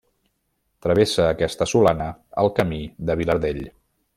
Travessa aquesta solana el Camí del Vilardell.